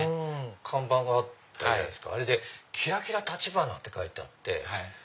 看板があったじゃないですかキラキラ橘って書いてあって。